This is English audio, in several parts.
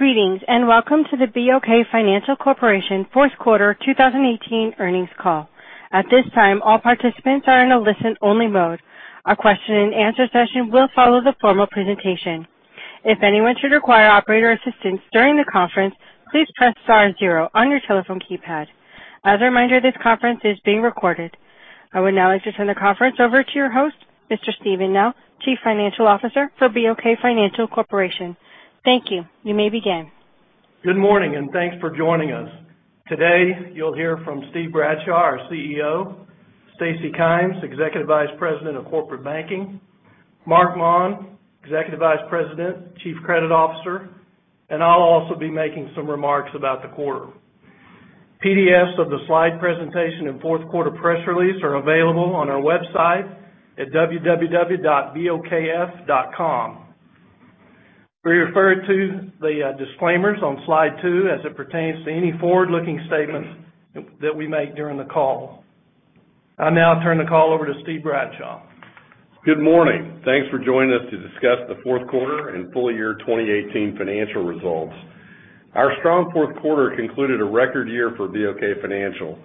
Greetings, and welcome to the BOK Financial Corporation fourth quarter 2018 earnings call. At this time, all participants are in a listen-only mode. A question and answer session will follow the formal presentation. If anyone should require operator assistance during the conference, please press star zero on your telephone keypad. As a reminder, this conference is being recorded. I would now like to turn the conference over to your host, Mr. Steven Nell, Chief Financial Officer for BOK Financial Corporation. Thank you. You may begin. Good morning, and thanks for joining us. Today, you'll hear from Steve Bradshaw, our CEO, Stacy Kymes, Executive Vice President of Corporate Banking, Marc Maun, Executive Vice President, Chief Credit Officer, I'll also be making some remarks about the quarter. PDFs of the slide presentation and fourth quarter press release are available on our website at www.bokf.com. We refer to the disclaimers on slide two as it pertains to any forward-looking statements that we make during the call. I'll now turn the call over to Steve Bradshaw. Good morning. Thanks for joining us to discuss the fourth quarter and full year 2018 financial results. Our strong fourth quarter concluded a record year for BOK Financial.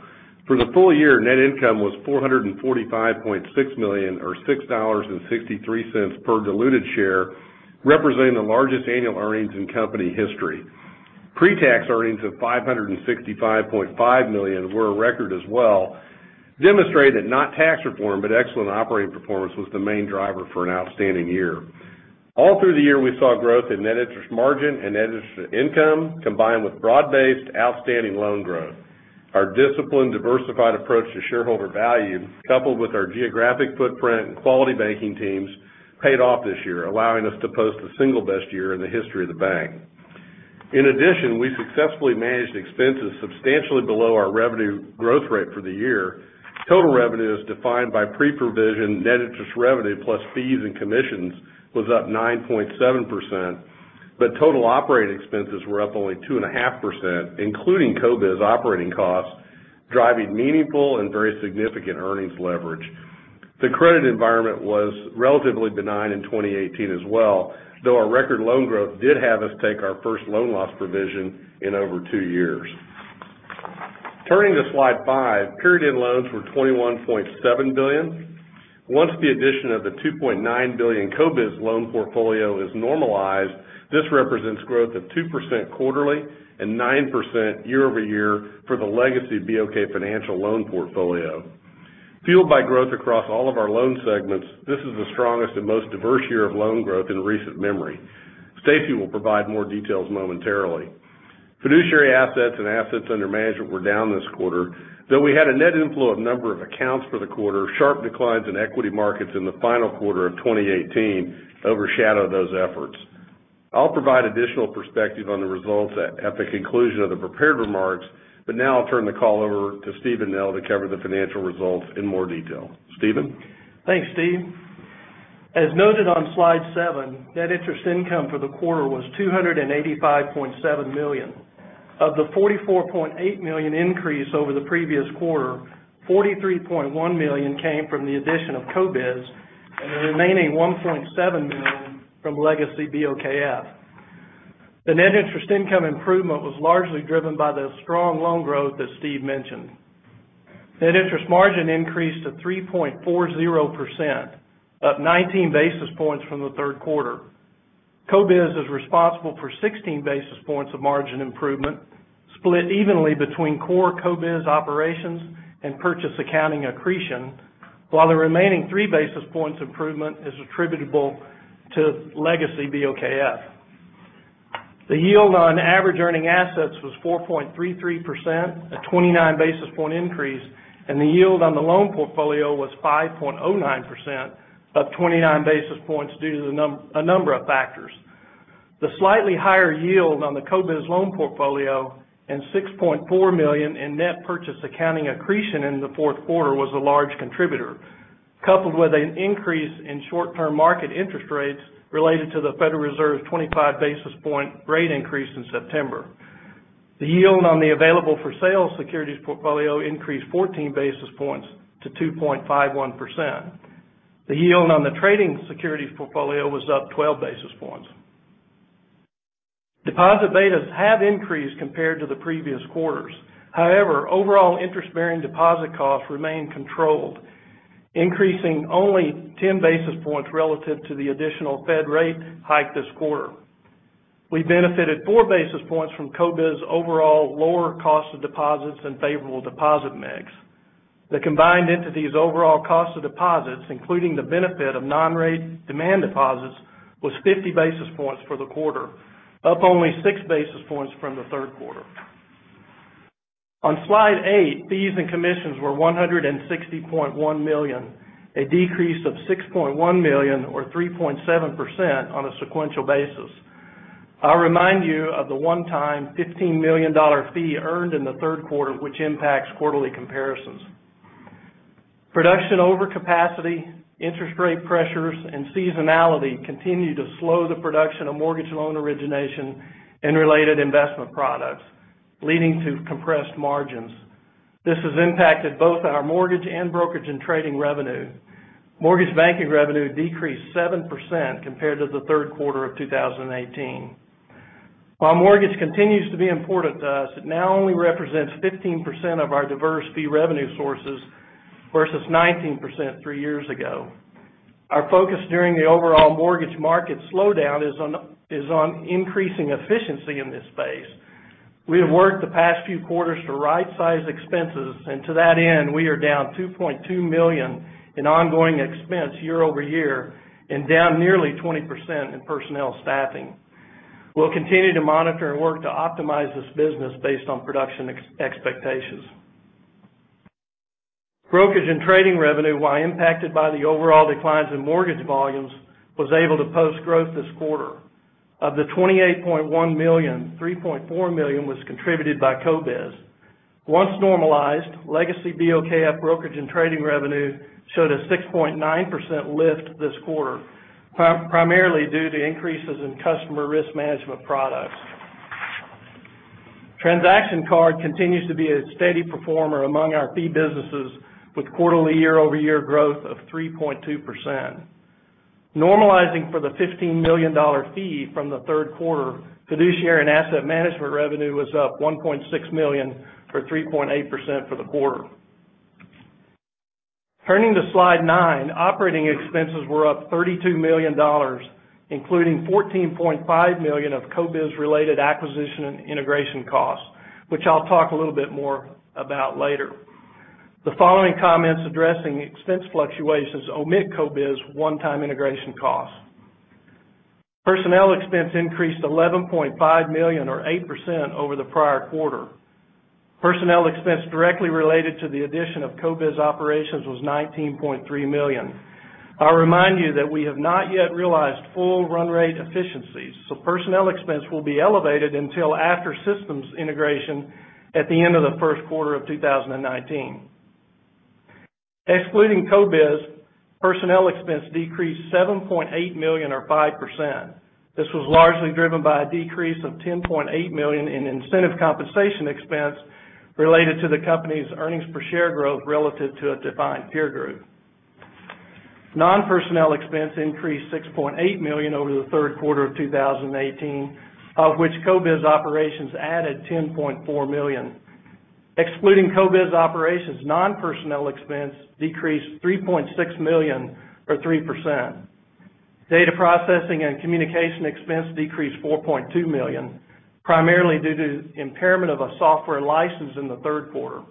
For the full year, net income was $445.6 million, or $6.63 per diluted share, representing the largest annual earnings in company history. Pre-tax earnings of $565.5 million were a record as well, demonstrating that not tax reform, but excellent operating performance was the main driver for an outstanding year. All through the year, we saw growth in net interest margin and net interest income, combined with broad-based outstanding loan growth. Our disciplined, diversified approach to shareholder value, coupled with our geographic footprint and quality banking teams, paid off this year, allowing us to post the single best year in the history of the bank. In addition, we successfully managed expenses substantially below our revenue growth rate for the year. Total revenue, as defined by pre-provision net interest revenue plus fees and commissions, was up 9.7%, total operating expenses were up only 2.5%, including CoBiz operating costs, driving meaningful and very significant earnings leverage. The credit environment was relatively benign in 2018 as well, though our record loan growth did have us take our first loan loss provision in over two years. Turning to slide five, period-end loans were $21.7 billion. Once the addition of the $2.9 billion CoBiz loan portfolio is normalized, this represents growth of 2% quarterly and 9% year-over-year for the legacy BOK Financial loan portfolio. Fueled by growth across all of our loan segments, this is the strongest and most diverse year of loan growth in recent memory. Stacy will provide more details momentarily. Fiduciary assets and assets under management were down this quarter. Though we had a net inflow of number of accounts for the quarter, sharp declines in equity markets in the final quarter of 2018 overshadowed those efforts. I'll provide additional perspective on the results at the conclusion of the prepared remarks. Now I'll turn the call over to Steven Nell to cover the financial results in more detail. Steven? Thanks, Steve. As noted on slide seven, net interest income for the quarter was $285.7 million. Of the $44.8 million increase over the previous quarter, $43.1 million came from the addition of CoBiz, and the remaining $1.7 million from legacy BOKF. The net interest income improvement was largely driven by the strong loan growth that Steve mentioned. Net interest margin increased to 3.40%, up 19 basis points from the third quarter. CoBiz is responsible for 16 basis points of margin improvement, split evenly between core CoBiz operations and purchase accounting accretion, while the remaining three basis points improvement is attributable to legacy BOKF. The yield on average earning assets was 4.33%, a 29 basis point increase, and the yield on the loan portfolio was 5.09%, up 29 basis points due to a number of factors. The slightly higher yield on the CoBiz loan portfolio and $6.4 million in net purchase accounting accretion in the fourth quarter was a large contributor, coupled with an increase in short-term market interest rates related to the Federal Reserve's 25 basis point rate increase in September. The yield on the available for sale securities portfolio increased 14 basis points to 2.51%. The yield on the trading securities portfolio was up 12 basis points. Deposit betas have increased compared to the previous quarters. However, overall interest-bearing deposit costs remain controlled, increasing only 10 basis points relative to the additional Fed rate hike this quarter. We benefited four basis points from CoBiz's overall lower cost of deposits and favorable deposit mix. The combined entities' overall cost of deposits, including the benefit of non-rate demand deposits, was 50 basis points for the quarter, up only six basis points from the third quarter. On slide eight, fees and commissions were $160.1 million, a decrease of $6.1 million or 3.7% on a sequential basis. I'll remind you of the one-time $15 million fee earned in the third quarter, which impacts quarterly comparisons. Production overcapacity, interest rate pressures, and seasonality continue to slow the production of mortgage loan origination and related investment products, leading to compressed margins. This has impacted both our mortgage and brokerage and trading revenue. Mortgage banking revenue decreased 7% compared to the third quarter of 2018. While mortgage continues to be important to us, it now only represents 15% of our diverse fee revenue sources versus 19% three years ago. Our focus during the overall mortgage market slowdown is on increasing efficiency in this space. We have worked the past few quarters to right-size expenses, to that end, we are down $2.2 million in ongoing expense year-over-year and down nearly 20% in personnel staffing. We'll continue to monitor and work to optimize this business based on production expectations. Brokerage and trading revenue, while impacted by the overall declines in mortgage volumes, was able to post growth this quarter. Of the $28.1 million, $3.4 million was contributed by CoBiz. Once normalized, legacy BOKF brokerage and trading revenue showed a 6.9% lift this quarter, primarily due to increases in customer risk management products. Transaction card continues to be a steady performer among our fee businesses with quarterly year-over-year growth of 3.2%. Normalizing for the $15 million fee from the third quarter, fiduciary and asset management revenue was up $1.6 million, or 3.8% for the quarter. Turning to slide nine, operating expenses were up $32 million, including $14.5 million of CoBiz-related acquisition and integration costs, which I'll talk a little bit more about later. The following comments addressing expense fluctuations omit CoBiz one-time integration costs. Personnel expense increased $11.5 million, or 8% over the prior quarter. Personnel expense directly related to the addition of CoBiz operations was $19.3 million. I'll remind you that we have not yet realized full run rate efficiencies, so personnel expense will be elevated until after systems integration at the end of the first quarter of 2019. Excluding CoBiz, personnel expense decreased $7.8 million, or 5%. This was largely driven by a decrease of $10.8 million in incentive compensation expense related to the company's earnings per share growth relative to a defined peer group. Non-personnel expense increased $6.8 million over the third quarter of 2018, of which CoBiz operations added $10.4 million. Excluding CoBiz operations, non-personnel expense decreased $3.6 million, or 3%. Data processing and communication expense decreased $4.2 million, primarily due to impairment of a software license in the third quarter.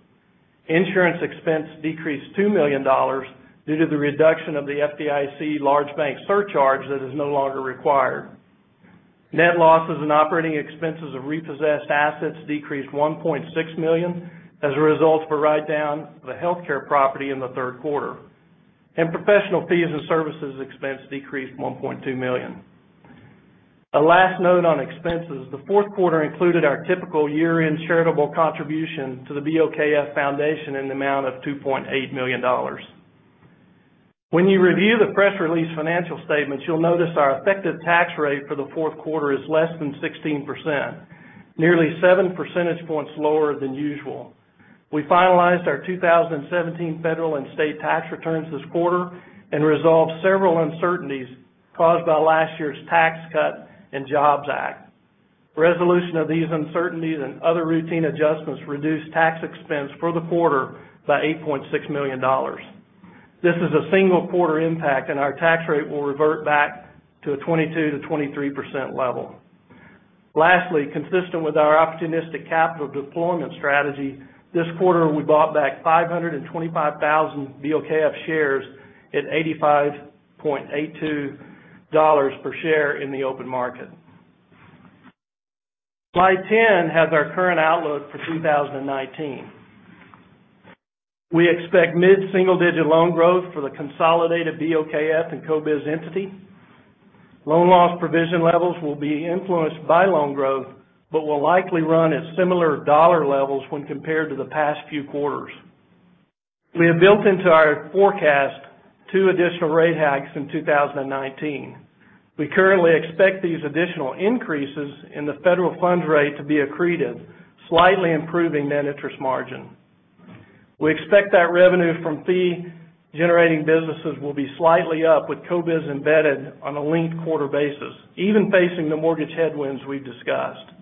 Insurance expense decreased $2 million due to the reduction of the FDIC Large Bank Surcharge that is no longer required. Net losses and operating expenses of repossessed assets decreased $1.6 million as a result of a write-down of a healthcare property in the third quarter. Professional fees and services expense decreased $1.2 million. A last note on expenses, the fourth quarter included our typical year-end charitable contribution to the BOKF Foundation in the amount of $2.8 million. When you review the press release financial statements, you'll notice our effective tax rate for the fourth quarter is less than 16%, nearly seven percentage points lower than usual. We finalized our 2017 federal and state tax returns this quarter and resolved several uncertainties caused by last year's Tax Cuts and Jobs Act. Resolution of these uncertainties and other routine adjustments reduced tax expense for the quarter by $8.6 million. This is a single quarter impact, and our tax rate will revert back to a 22%-23% level. Lastly, consistent with our opportunistic capital deployment strategy, this quarter, we bought back 525,000 BOKF shares at $85.82 per share in the open market. Slide 10 has our current outlook for 2019. We expect mid-single digit loan growth for the consolidated BOKF and CoBiz entity. Loan loss provision levels will be influenced by loan growth but will likely run at similar dollar levels when compared to the past few quarters. We have built into our forecast two additional rate hikes in 2019. We currently expect these additional increases in the federal funds rate to be accreted, slightly improving net interest margin. We expect that revenue from fee-generating businesses will be slightly up with CoBiz embedded on a linked quarter basis, even facing the mortgage headwinds we discussed.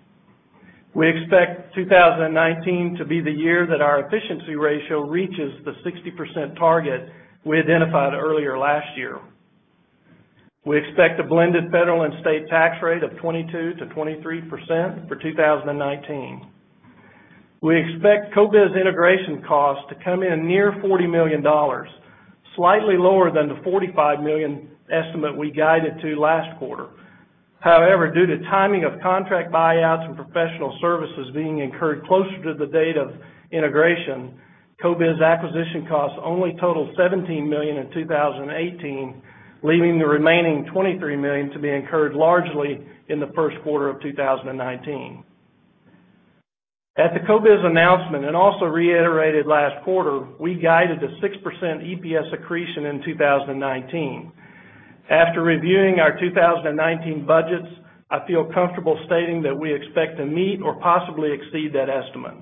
We expect 2019 to be the year that our efficiency ratio reaches the 60% target we identified earlier last year. We expect a blended federal and state tax rate of 22%-23% for 2019. We expect CoBiz integration costs to come in near $40 million, slightly lower than the $45 million estimate we guided to last quarter. However, due to timing of contract buyouts and professional services being incurred closer to the date of integration, CoBiz acquisition costs only totaled $17 million in 2018, leaving the remaining $23 million to be incurred largely in the first quarter of 2019. At the CoBiz announcement, also reiterated last quarter, we guided to 6% EPS accretion in 2019. After reviewing our 2019 budgets, I feel comfortable stating that we expect to meet or possibly exceed that estimate.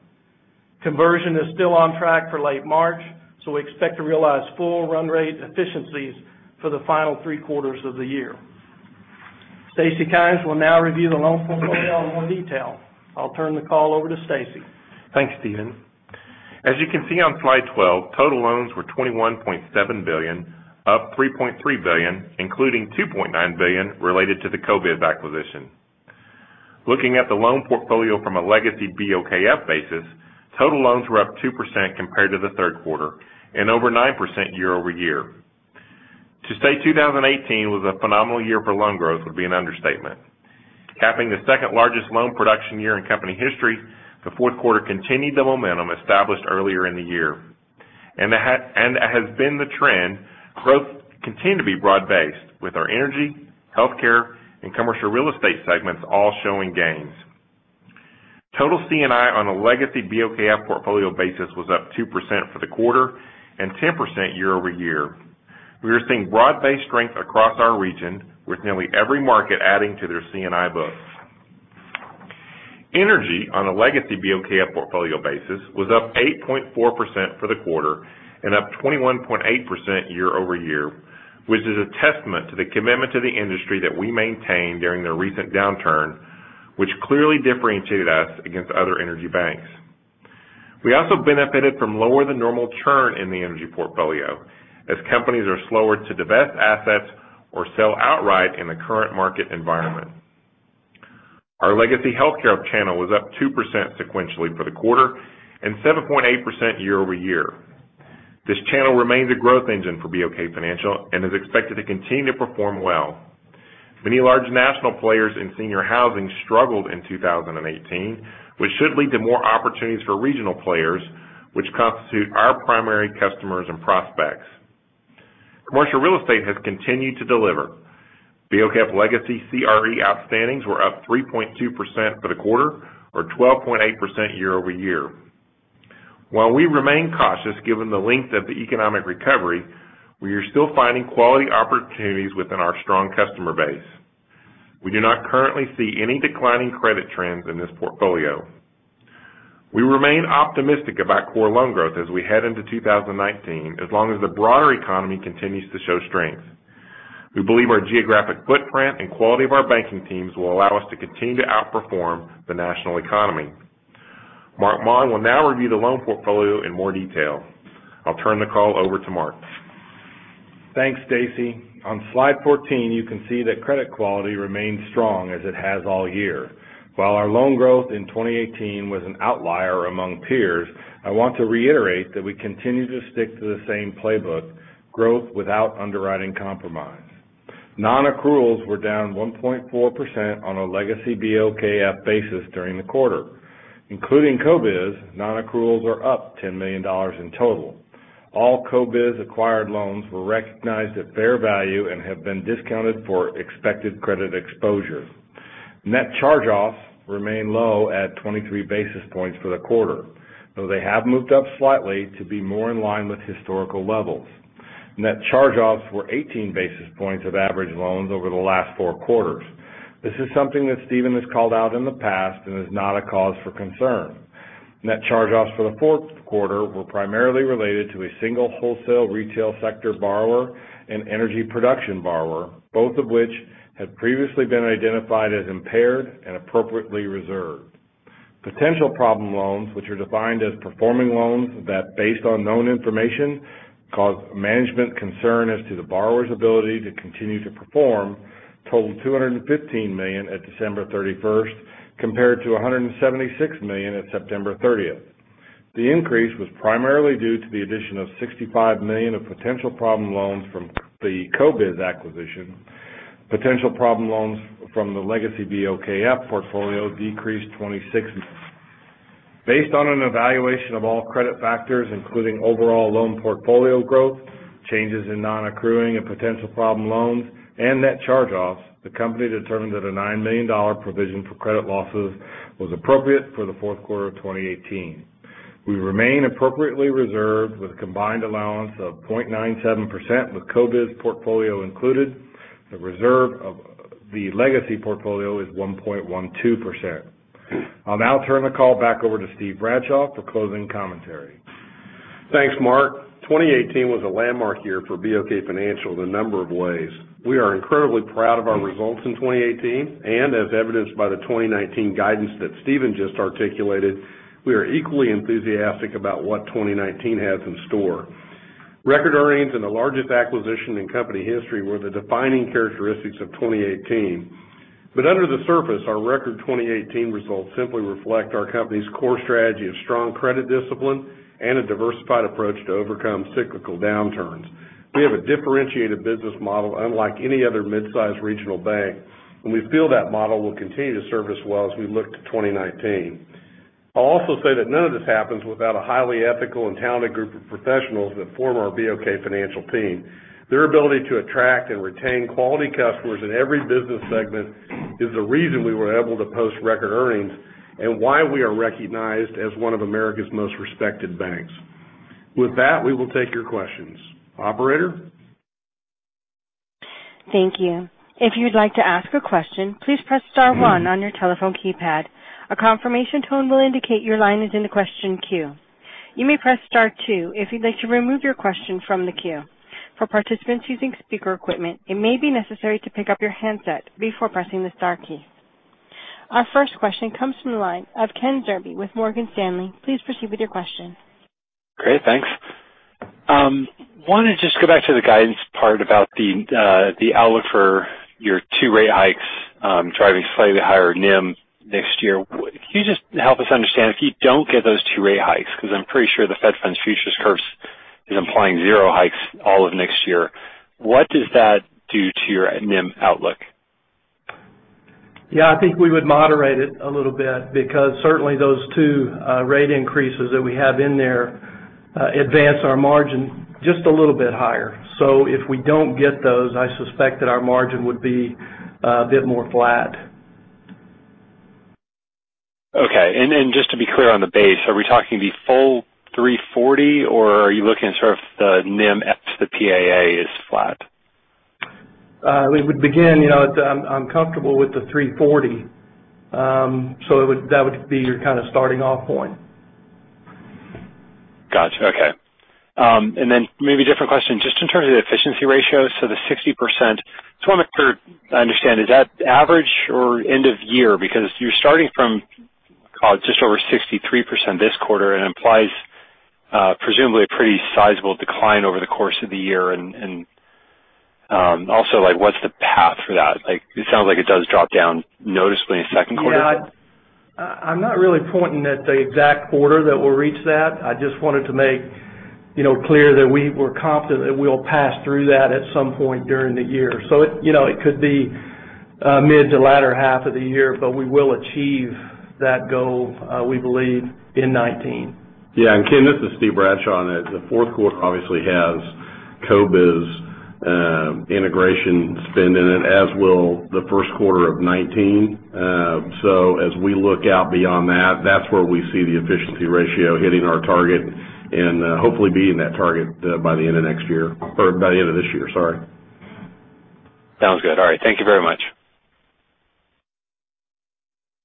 Conversion is still on track for late March, we expect to realize full run rate efficiencies for the final three quarters of the year. Stacy Kymes will now review the loan portfolio in more detail. I'll turn the call over to Stacy. Thanks, Steven. As you can see on slide 12, total loans were $21.7 billion, up $3.3 billion, including $2.9 billion related to the CoBiz acquisition. Looking at the loan portfolio from a legacy BOKF basis, total loans were up 2% compared to the third quarter and over 9% year-over-year. To say 2018 was a phenomenal year for loan growth would be an understatement. Capping the second-largest loan production year in company history, the fourth quarter continued the momentum established earlier in the year. As has been the trend, growth continued to be broad-based, with our energy, healthcare, and commercial real estate segments all showing gains. Total C&I on a legacy BOKF portfolio basis was up 2% for the quarter and 10% year-over-year. We are seeing broad-based strength across our region, with nearly every market adding to their C&I books. Energy on a legacy BOKF portfolio basis was up 8.4% for the quarter and up 21.8% year-over-year, which is a testament to the commitment to the industry that we maintained during the recent downturn, which clearly differentiated us against other energy banks. We also benefited from lower than normal churn in the energy portfolio, as companies are slower to divest assets or sell outright in the current market environment. Our legacy healthcare channel was up 2% sequentially for the quarter and 7.8% year-over-year. This channel remains a growth engine for BOK Financial and is expected to continue to perform well. Many large national players in senior housing struggled in 2018, which should lead to more opportunities for regional players, which constitute our primary customers and prospects. Commercial real estate has continued to deliver. BOKF Legacy CRE outstandings were up 3.2% for the quarter or 12.8% year-over-year. While we remain cautious given the length of the economic recovery, we are still finding quality opportunities within our strong customer base. We do not currently see any declining credit trends in this portfolio. We remain optimistic about core loan growth as we head into 2019 as long as the broader economy continues to show strength. We believe our geographic footprint and quality of our banking teams will allow us to continue to outperform the national economy. Marc Maun will now review the loan portfolio in more detail. I'll turn the call over to Marc. Thanks, Stacy. On slide 14, you can see that credit quality remains strong as it has all year. While our loan growth in 2018 was an outlier among peers, I want to reiterate that we continue to stick to the same playbook, growth without underwriting compromise. Non-accruals were down 1.4% on a legacy BOKF basis during the quarter. Including CoBiz, non-accruals are up $10 million in total. All CoBiz-acquired loans were recognized at fair value and have been discounted for expected credit exposure. Net charge-offs remain low at 23 basis points for the quarter, though they have moved up slightly to be more in line with historical levels. Net charge-offs were 18 basis points of average loans over the last four quarters. This is something that Steven has called out in the past and is not a cause for concern. Net charge-offs for the fourth quarter were primarily related to a single wholesale retail sector borrower and energy production borrower, both of which have previously been identified as impaired and appropriately reserved. Potential problem loans, which are defined as performing loans that, based on known information, cause management concern as to the borrower's ability to continue to perform, totaled $215 million at December 31st, compared to $176 million at September 30th. The increase was primarily due to the addition of $65 million of potential problem loans from the CoBiz acquisition. Potential problem loans from the legacy BOKF portfolio decreased $26. Based on an evaluation of all credit factors, including overall loan portfolio growth, changes in non-accruing and potential problem loans, and net charge-offs, the company determined that a $9 million provision for credit losses was appropriate for the fourth quarter of 2018. We remain appropriately reserved with a combined allowance of 0.97% with CoBiz portfolio included. The reserve of the legacy portfolio is 1.12%. I'll now turn the call back over to Steve Bradshaw for closing commentary. Thanks, Marc. 2018 was a landmark year for BOK Financial in a number of ways. We are incredibly proud of our results in 2018. As evidenced by the 2019 guidance that Steven just articulated, we are equally enthusiastic about what 2019 has in store. Record earnings and the largest acquisition in company history were the defining characteristics of 2018. Under the surface, our record 2018 results simply reflect our company's core strategy of strong credit discipline and a diversified approach to overcome cyclical downturns. We have a differentiated business model unlike any other mid-size regional bank. We feel that model will continue to serve us well as we look to 2019. I'll also say that none of this happens without a highly ethical and talented group of professionals that form our BOK Financial team. Their ability to attract and retain quality customers in every business segment is the reason we were able to post record earnings and why we are recognized as one of America's most respected banks. With that, we will take your questions. Operator? Thank you. If you'd like to ask a question, please press star one on your telephone keypad. A confirmation tone will indicate your line is in the question queue. You may press star two if you'd like to remove your question from the queue. For participants using speaker equipment, it may be necessary to pick up your handset before pressing the star key. Our first question comes from the line of Ken Zerbe with Morgan Stanley. Please proceed with your question. Great, thanks. Wanted to just go back to the guidance part about the outlook for your two rate hikes driving slightly higher NIM next year. Can you just help us understand, if you don't get those two rate hikes, because I'm pretty sure the fed funds futures curve is implying zero hikes all of next year, what does that do to your NIM outlook? Yeah, I think we would moderate it a little bit because certainly those two rate increases that we have in there advance our margin just a little bit higher. If we don't get those, I suspect that our margin would be a bit more flat. Okay. Just to be clear on the base, are we talking the full 340, or are you looking sort of the NIM ex the PAA is flat? I'm comfortable with the 340. That would be your kind of starting off point. Got you. Okay. Maybe a different question, just in terms of the efficiency ratio, the 60%, just want to make sure I understand. Is that average or end of year? Because you're starting from just over 63% this quarter and implies presumably a pretty sizable decline over the course of the year. What's the path for that? It sounds like it does drop down noticeably in second quarter. Yeah. I'm not really pointing at the exact quarter that we'll reach that. I just wanted to make clear that we're confident that we'll pass through that at some point during the year. It could be mid to latter half of the year, but we will achieve that goal, we believe, in 2019. Yeah. Ken, this is Steve Bradshaw. The fourth quarter obviously has CoBiz integration spend in it, as will the first quarter of 2019. As we look out beyond that's where we see the efficiency ratio hitting our target and hopefully beating that target by the end of next year, or by the end of this year, sorry. Sounds good. All right. Thank you very much.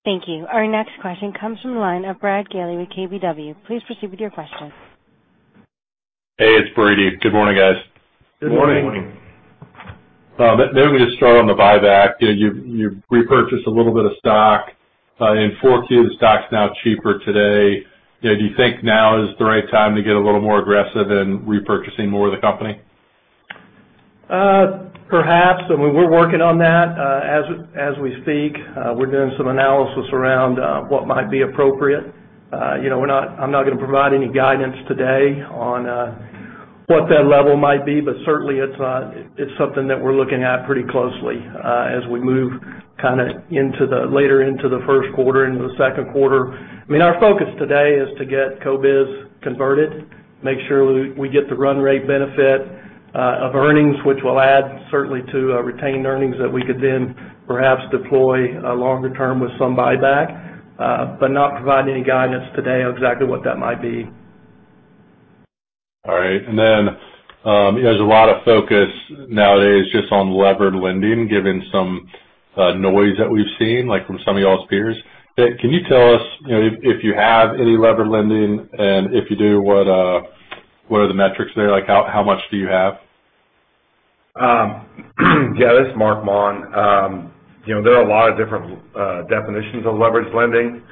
Thank you. Our next question comes from the line of Brady Gailey with KBW. Please proceed with your question. Hey, it's Brady. Good morning, guys. Good morning. Morning. Maybe we just start on the buyback. You repurchased a little bit of stock in 4Q. The stock's now cheaper today. Do you think now is the right time to get a little more aggressive in repurchasing more of the company? Perhaps. I mean, we're working on that. As we speak, we're doing some analysis around what might be appropriate. I'm not going to provide any guidance today on what that level might be, but certainly it's something that we're looking at pretty closely as we move kind of later into the first quarter, into the second quarter. I mean, our focus today is to get CoBiz converted, make sure we get the run rate benefit of earnings, which will add certainly to retained earnings that we could then perhaps deploy longer term with some buyback. Not providing any guidance today on exactly what that might be. All right. There's a lot of focus nowadays just on leveraged lending, given some noise that we've seen, like from some of y'all's peers. Can you tell us if you have any leveraged lending? If you do, what are the metrics there? How much do you have? Yeah, this is Marc Maun. There are a lot of different definitions of leveraged lending.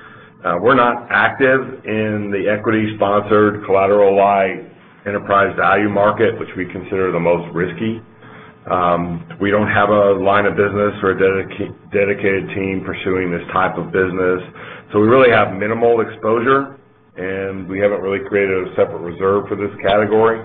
We're not active in the equity-sponsored collateralized enterprise value market, which we consider the most risky. We don't have a line of business or a dedicated team pursuing this type of business. We really have minimal exposure, and we haven't really created a separate reserve for this category.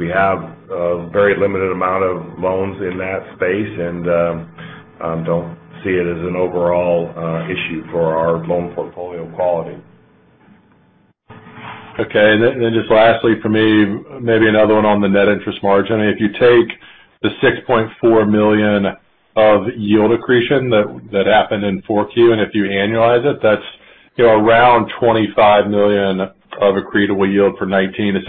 We have a very limited amount of loans in that space and don't see it as an overall issue for our loan portfolio quality. Okay. Lastly from me, maybe another one on the net interest margin. If you take the $6.4 million of yield accretion that happened in 4Q, if you annualize it, that's around $25 million of accretable yield for 2019. Does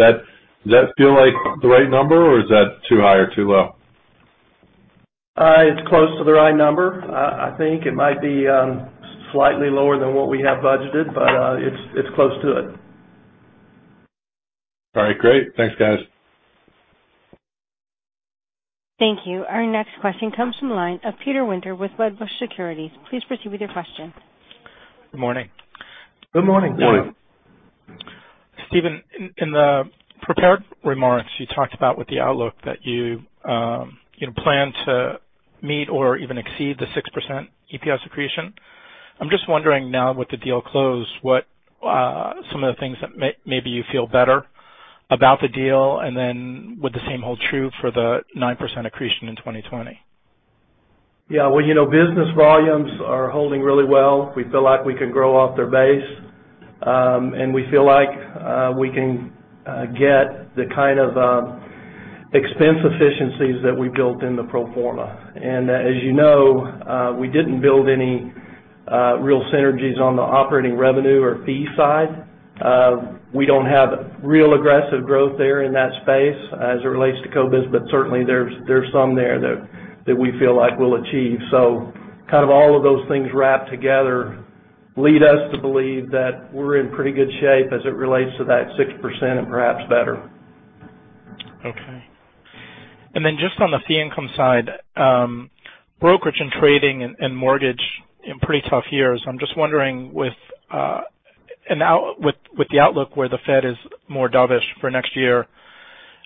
that feel like the right number, or is that too high or too low? It's close to the right number. I think it might be slightly lower than what we have budgeted, but it's close to it. All right, great. Thanks, guys. Thank you. Our next question comes from the line of Peter Winter with Wedbush Securities. Please proceed with your question. Good morning. Good morning. Morning. Steven, in the prepared remarks, you talked about with the outlook that you plan to meet or even exceed the 6% EPS accretion. I'm just wondering now with the deal closed, what some of the things that maybe you feel better about the deal, and then would the same hold true for the 9% accretion in 2020? Yeah. Well, business volumes are holding really well. We feel like we can grow off their base. We feel like we can get the kind of Expense efficiencies that we built in the pro forma. As you know, we didn't build any real synergies on the operating revenue or fee side. We don't have real aggressive growth there in that space as it relates to CoBiz, but certainly there's some there that we feel like we'll achieve. Kind of all of those things wrapped together lead us to believe that we're in pretty good shape as it relates to that 6% and perhaps better. Okay. Then just on the fee income side, brokerage and trading and mortgage in pretty tough years. I'm just wondering with the outlook where the Fed is more dovish for next year,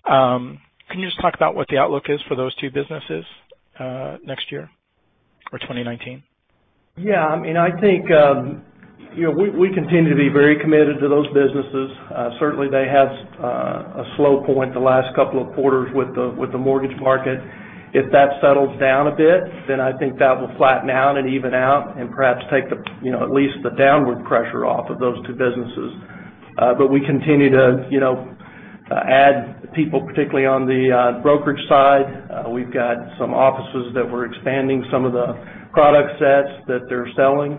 can you just talk about what the outlook is for those two businesses next year or 2019? Yeah. I think we continue to be very committed to those businesses. Certainly they have a slow point the last couple of quarters with the mortgage market. If that settles down a bit, then I think that will flatten out and even out and perhaps take at least the downward pressure off of those two businesses. We continue to add people, particularly on the brokerage side. We've got some offices that we're expanding some of the product sets that they're selling.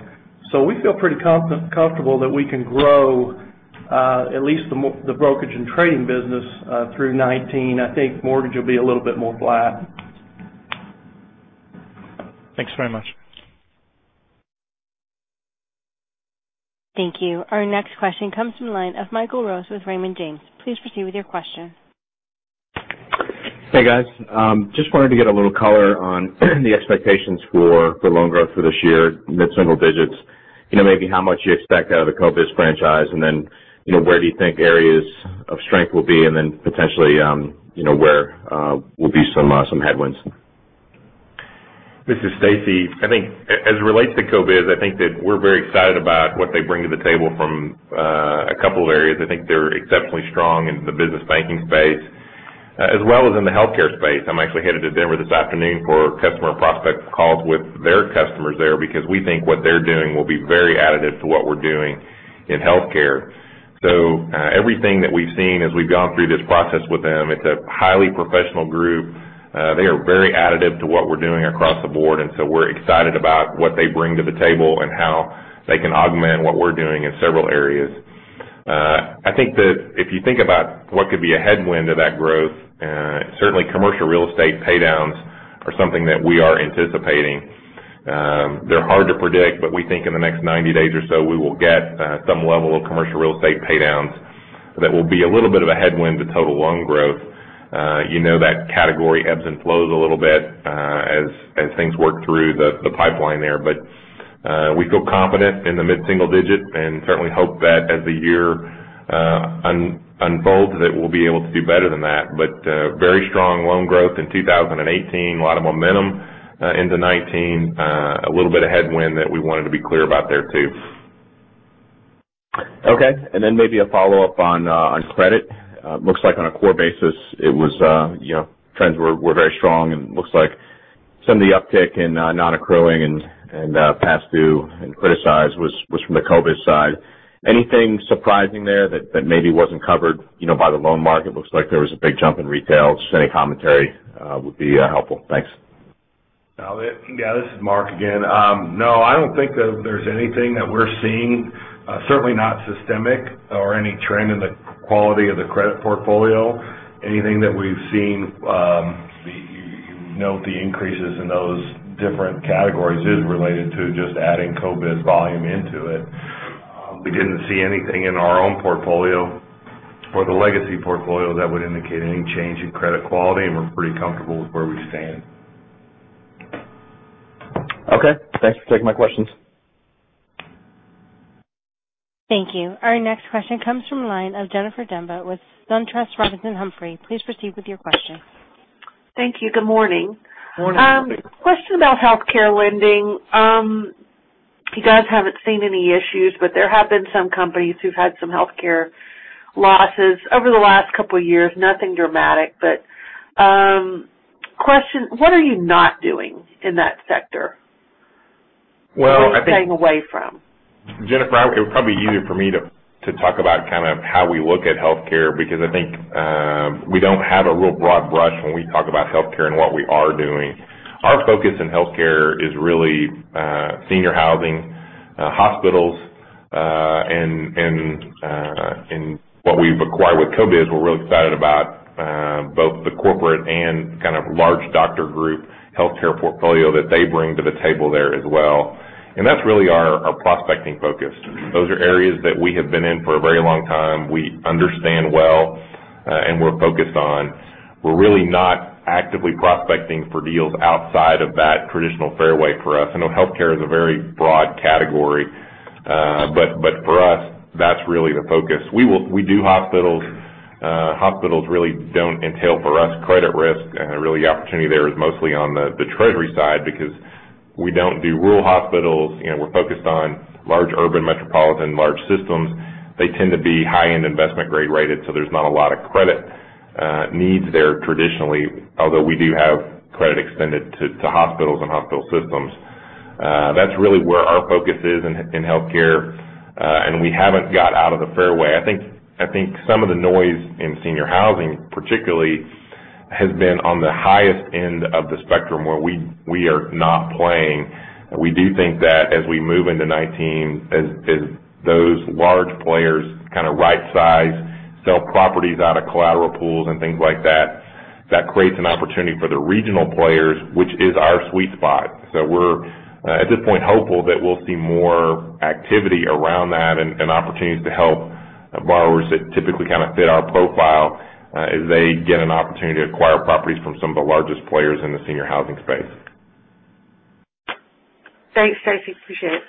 We feel pretty comfortable that we can grow at least the brokerage and trading business through 2019. I think mortgage will be a little bit more flat. Thanks very much. Thank you. Our next question comes from the line of Michael Rose with Raymond James. Please proceed with your question. Hey, guys. Just wanted to get a little color on the expectations for the loan growth for this year, mid-single digits. Maybe how much you expect out of the CoBiz franchise, where do you think areas of strength will be, potentially where will be some headwinds. This is Stacy Kymes. I think as it relates to CoBiz, I think that we're very excited about what they bring to the table from a couple of areas. I think they're exceptionally strong in the business banking space as well as in the healthcare space. I'm actually headed to Denver this afternoon for customer prospect calls with their customers there because we think what they're doing will be very additive to what we're doing in healthcare. Everything that we've seen as we've gone through this process with them, it's a highly professional group. They are very additive to what we're doing across the board, we're excited about what they bring to the table and how they can augment what we're doing in several areas. I think that if you think about what could be a headwind to that growth, certainly commercial real estate paydowns are something that we are anticipating. They're hard to predict, we think in the next 90 days or so, we will get some level of commercial real estate paydowns that will be a little bit of a headwind to total loan growth. You know that category ebbs and flows a little bit as things work through the pipeline there. We feel confident in the mid-single digit and certainly hope that as the year unfolds, that we'll be able to do better than that. Very strong loan growth in 2018. A lot of momentum into 2019. A little bit of headwind that we wanted to be clear about there, too. Okay. Maybe a follow-up on credit. Looks like on a core basis, trends were very strong and looks like some of the uptick in non-accruing and past due and criticized was from the CoBiz side. Anything surprising there that maybe wasn't covered by the loan mark? It looks like there was a big jump in retail. Just any commentary would be helpful. Thanks. Yeah, this is Marc again. No, I don't think that there's anything that we're seeing, certainly not systemic or any trend in the quality of the credit portfolio. Anything that we've seen, you note the increases in those different categories is related to just adding CoBiz volume into it. We didn't see anything in our own portfolio or the legacy portfolio that would indicate any change in credit quality, and we're pretty comfortable with where we stand. Okay. Thanks for taking my questions. Thank you. Our next question comes from the line of Jennifer Demba with SunTrust Robinson Humphrey. Please proceed with your question. Thank you. Good morning. Morning. Question about healthcare lending. You guys haven't seen any issues, but there have been some companies who've had some healthcare losses over the last couple of years. Nothing dramatic, but question, what are you not doing in that sector? Well. What are you staying away from? Jennifer, it was probably easier for me to talk about kind of how we look at healthcare because I think we don't have a real broad brush when we talk about healthcare and what we are doing. Our focus in healthcare is really senior housing, hospitals, and what we've acquired with CoBiz, we're real excited about both the corporate and kind of large doctor group healthcare portfolio that they bring to the table there as well. That's really our prospecting focus. Those are areas that we have been in for a very long time, we understand well and we're focused on. We're really not actively prospecting for deals outside of that traditional fairway for us. I know healthcare is a very broad category. For us, that's really the focus. We do hospitals. Hospitals really don't entail for us credit risk. Really the opportunity there is mostly on the treasury side because we don't do rural hospitals. We're focused on large urban metropolitan large systems. They tend to be high-end investment grade rated, so there's not a lot of credit needs there traditionally, although we do have credit extended to hospitals and hospital systems. That's really where our focus is in healthcare. We haven't got out of the fairway. I think some of the noise in senior housing particularly has been on the highest end of the spectrum where we are not playing. We do think that as we move into 2019, as those large players kind of right size, sell properties out of collateral pools and things like that creates an opportunity for the regional players, which is our sweet spot. We're, at this point, hopeful that we'll see more activity around that and opportunities to help borrowers that typically kind of fit our profile as they get an opportunity to acquire properties from some of the largest players in the senior housing space. Thanks, Stacy. Appreciate it.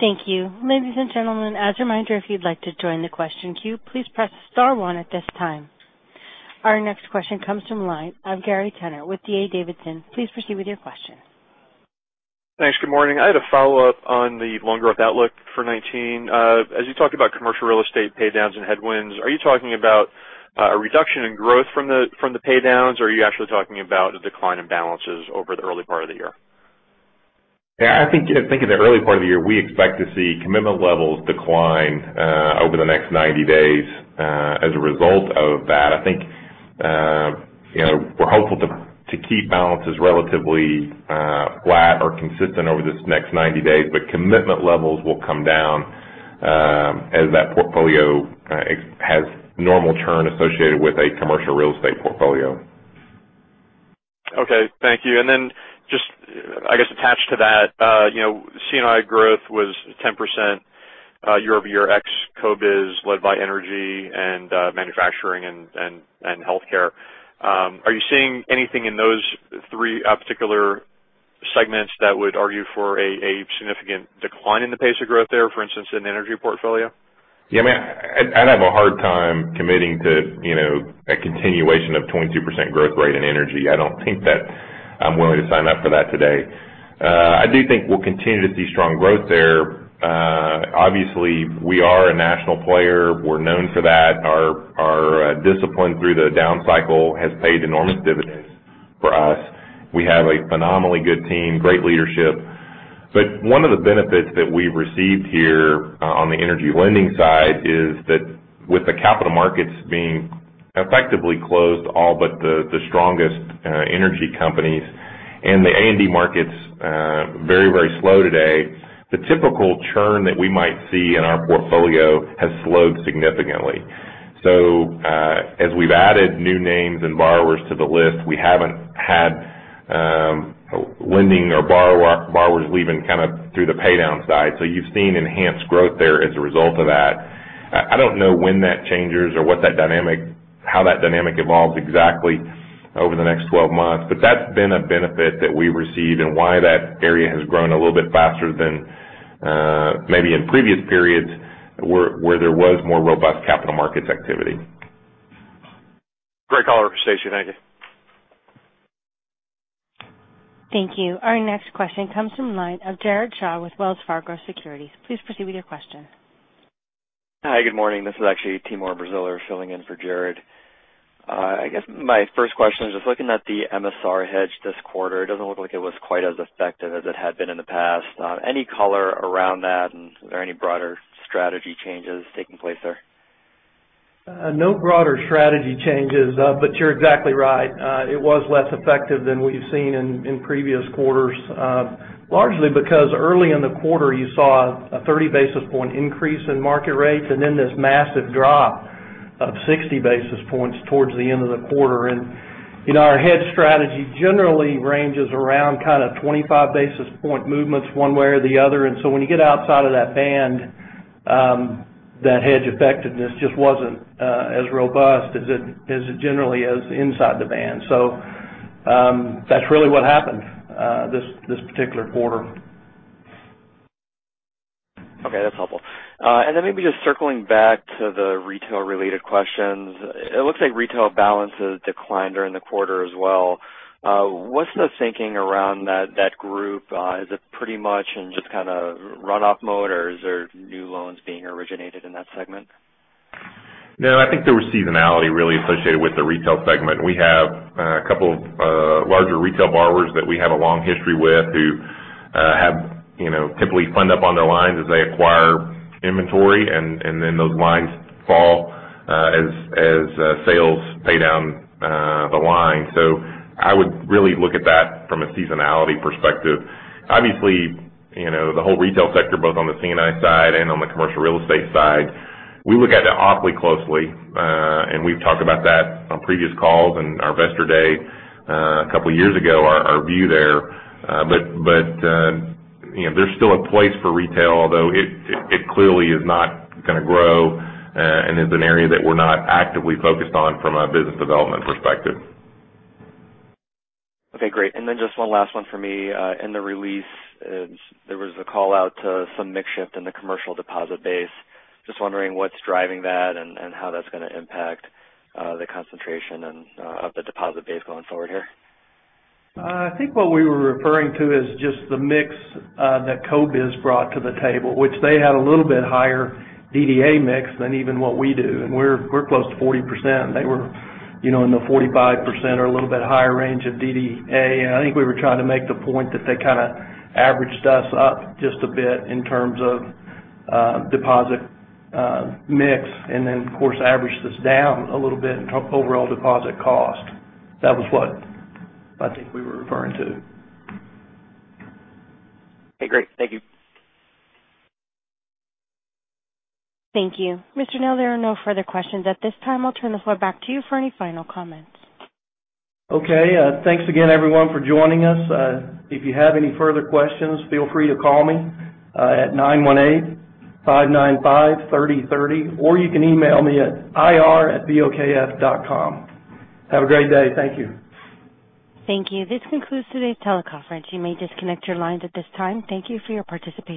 Thank you. Ladies and gentlemen, as a reminder, if you'd like to join the question queue, please press star one at this time. Our next question comes from the line of Gary Turner with D.A. Davidson. Please proceed with your question. Thanks. Good morning. I had a follow-up on the loan growth outlook for 2019. As you talk about commercial real estate pay downs and headwinds, are you talking about a reduction in growth from the pay downs, or are you actually talking about a decline in balances over the early part of the year? Yeah, I think in the early part of the year, we expect to see commitment levels decline over the next 90 days as a result of that. I think we're hopeful to keep balances relatively flat or consistent over this next 90 days, but commitment levels will come down as that portfolio has normal churn associated with a commercial real estate portfolio. Okay, thank you. Then just, I guess, attached to that, C&I growth was 10% year-over-year ex CoBiz led by energy and manufacturing and healthcare. Are you seeing anything in those three particular segments that would argue for a significant decline in the pace of growth there, for instance, in the energy portfolio? I'd have a hard time committing to a continuation of 22% growth rate in energy. I don't think that I'm willing to sign up for that today. I do think we'll continue to see strong growth there. Obviously, we are a national player. We're known for that. Our discipline through the down cycle has paid enormous dividends for us. We have a phenomenally good team, great leadership. One of the benefits that we've received here on the energy lending side is that with the capital markets being effectively closed, all but the strongest energy companies and the A&D markets very, very slow today, the typical churn that we might see in our portfolio has slowed significantly. As we've added new names and borrowers to the list, we haven't had lending or borrowers leaving kind of through the pay down side. You've seen enhanced growth there as a result of that. I don't know when that changes or how that dynamic evolves exactly over the next 12 months, but that's been a benefit that we received and why that area has grown a little bit faster than maybe in previous periods where there was more robust capital markets activity. Great call-out for Stacy Kymes. Thank you. Thank you. Our next question comes from the line of Jared Shaw with Wells Fargo Securities. Please proceed with your question. Hi, good morning. This is actually Timur Braziler filling in for Jared. I guess my first question is just looking at the MSR hedge this quarter, it doesn't look like it was quite as effective as it had been in the past. Any color around that, and are there any broader strategy changes taking place there? No broader strategy changes. You're exactly right. It was less effective than what you've seen in previous quarters largely because early in the quarter you saw a 30 basis points increase in market rates and then this massive drop of 60 basis points towards the end of the quarter. Our hedge strategy generally ranges around kind of 25 basis points movements one way or the other, and so when you get outside of that band, that hedge effectiveness just wasn't as robust as it generally is inside the band. That's really what happened this particular quarter. Okay, that's helpful. Maybe just circling back to the retail-related questions. It looks like retail balances declined during the quarter as well. What's the thinking around that group? Is it pretty much in just kind of runoff mode, or is there new loans being originated in that segment? No, I think there was seasonality really associated with the retail segment. We have a couple of larger retail borrowers that we have a long history with who have typically fund up on their lines as they acquire inventory, and then those lines fall as sales pay down the line. I would really look at that from a seasonality perspective. Obviously, the whole retail sector both on the C&I side and on the commercial real estate side, we look at that awfully closely, and we've talked about that on previous calls and our investor day a couple of years ago, our view there. There's still a place for retail, although it clearly is not going to grow and is an area that we're not actively focused on from a business development perspective. Okay, great. Then just one last one for me. In the release, there was a call-out to some mix shift in the commercial deposit base. Just wondering what's driving that and how that's going to impact the concentration of the deposit base going forward here. I think what we were referring to is just the mix that CoBiz brought to the table, which they had a little bit higher DDA mix than even what we do. We're close to 40%, they were in the 45% or a little bit higher range of DDA. I think we were trying to make the point that they kind of averaged us up just a bit in terms of deposit mix then of course averaged us down a little bit in overall deposit cost. That was what I think we were referring to. Okay, great. Thank you. Thank you. Mr. Nell, there are no further questions at this time. I'll turn the floor back to you for any final comments. Okay. Thanks again, everyone, for joining us. If you have any further questions, feel free to call me at 918-595-3030, or you can email me at ir@bokf.com. Have a great day. Thank you. Thank you. This concludes today's teleconference. You may disconnect your lines at this time. Thank you for your participation.